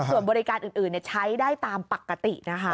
ส่วนบริการอื่นใช้ได้ตามปกตินะคะ